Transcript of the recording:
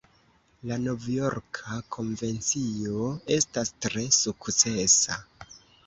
La Novjorka Konvencio estas tre sukcesa.